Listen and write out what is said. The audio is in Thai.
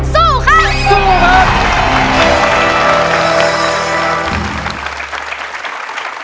สู้ครับ